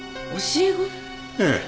ええ。